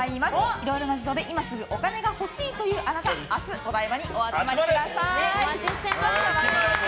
いろいろな事情で今すぐお金が欲しいというあなた明日、お台場にお集まりください。